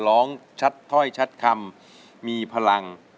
ร้องชัดท้อยชัดคำมีพลัง